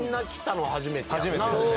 初めてですね。